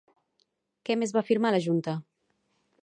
Què més va afirmar la junta?